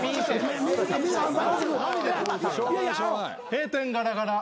閉店ガラガラ。